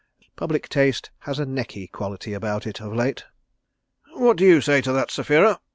Public taste has a necky quality about it of late." "What do you say to that, Sapphira?"